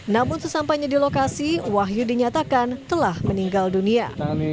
namun sesampainya di lokasi wahyu dinyatakan telah meninggal dunia